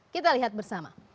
kita lihat bersama